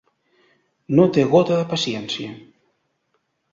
No té gota de paciència.